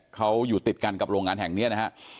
เขาอยู่ติดกันกับโรงงานแห่งนี้นะฮะ